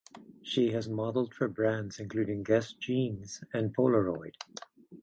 She has modeled for brands including Guess Jeans and Polaroid.